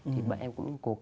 thì bạn em cũng